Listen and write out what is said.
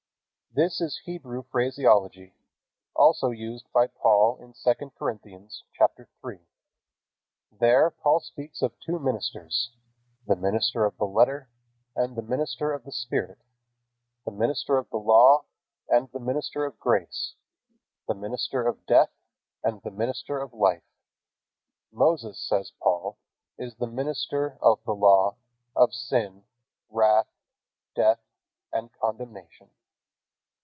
This is Hebrew phraseology, also used by Paul in II Corinthians, chapter 3. There Paul speaks of two ministers: The minister of the letter, and the minister of the spirit; the minister of the Law, and the minister of grace; the minister of death, and the minister of life. "Moses," says Paul, "is the minister of the Law, of sin, wrath, death, and condemnation."